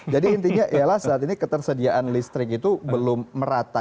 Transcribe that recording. jadi intinya ialah saat ini ketersediaan listrik itu belum merata